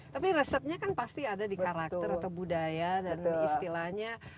tapi resepnya kan pasti ada di karakter atau budaya dan istilahnya